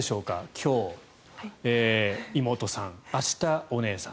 今日、妹さん明日、お姉さん。